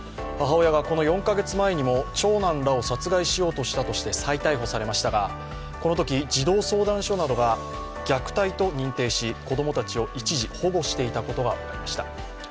母親がこの４カ月前にも長男らを殺害しようとしたとして再逮捕されましたが、このとき、児童相談所などが虐待と認定し、子供たちを一時保護していたことが分かりました。